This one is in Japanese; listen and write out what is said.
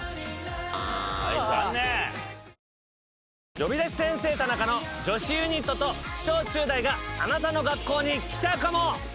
『呼び出し先生タナカ』の女子ユニットと小中大があなたの学校に来ちゃうかも！